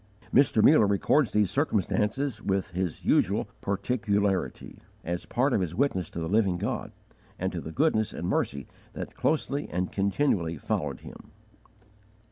_ Mr. Muller records these circumstances with his usual particularity, as part of his witness to the Living God, and to the goodness and mercy that closely and continually followed him.